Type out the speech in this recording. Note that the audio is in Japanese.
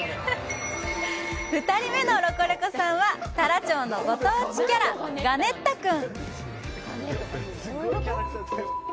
２人目のロコレコさんは太良町のご当地キャラ、ガネッタくん。